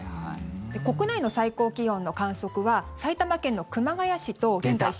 国内の最高気温の観測は埼玉県の熊谷市と。